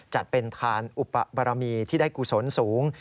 จัดเป็นทานอุปรมีที่ได้กุศลสูง